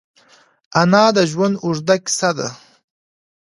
انا د ژوند اوږده کیسه ده